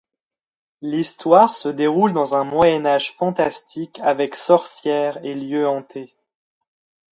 L'histoire se déroule dans un Moyen Âge fantastique avec sorcières et lieux hantés.